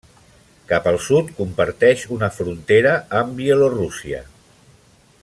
Cap al sud comparteix una frontera amb Bielorússia.